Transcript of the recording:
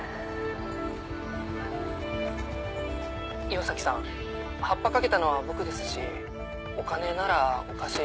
岩崎さんハッパ掛けたのは僕ですしお金ならお貸し。